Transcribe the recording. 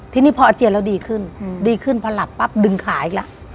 ทีนี้พออาเจียนแล้วดีขึ้นดีขึ้นพอหลับปั๊บดึงขาอีกแล้ว